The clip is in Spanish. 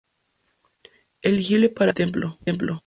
Elegible para hacerlo en el templo.